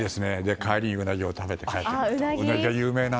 帰りにウナギを食べて帰ってくると。